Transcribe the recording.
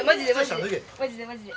マジでマジで。